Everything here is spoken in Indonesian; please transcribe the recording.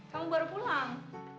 kamu baru pulang